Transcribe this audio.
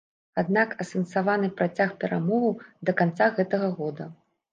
Аднак анансаваны працяг перамоваў да канца гэтага года.